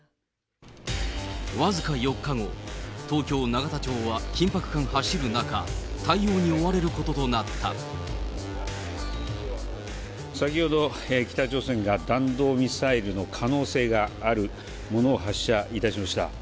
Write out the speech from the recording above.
僅か４日後、東京・永田町は緊迫感走る中、先ほど、北朝鮮が弾道ミサイルの可能性があるものを発射いたしました。